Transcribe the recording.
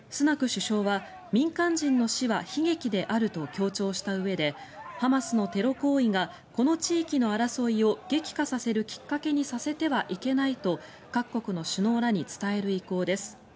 首相は、民間人の死は悲劇であると強調したうえでハマスのテロ行為がこの地域の争いを激化させるきっかけにさせてはいけないと各国の首脳らに伝える意向です。